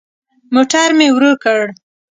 موټر مي ورو کړ .